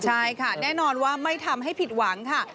ใช่ค่ะแน่นอนว่าไม่ทำให้ผิดหวังค่ะ